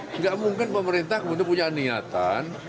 tidak mungkin pemerintah kemudian punya niatan